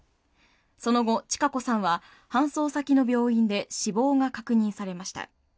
その後、千賀子さんは搬送先の病院で死亡が確認されました。